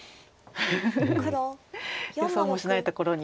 予想もしないところに。